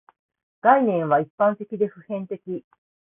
概念は一般的で普遍的